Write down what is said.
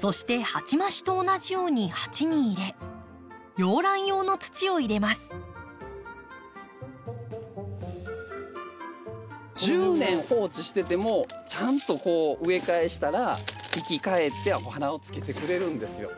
そして鉢増しと同じように鉢に入れ１０年放置しててもちゃんとこう植え替えしたら生き返ってお花をつけてくれるんですよ。